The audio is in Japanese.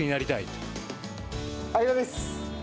相葉です。